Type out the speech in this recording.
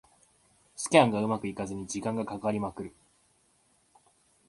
スキャンがうまくいかずに時間がかかりまくる